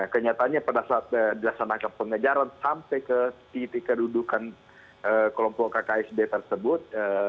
kenyataannya pada saat dilaksanakan pengejaran sampai ke titik kedudukan kelompok kksb tersebut